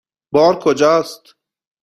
بار کجاست؟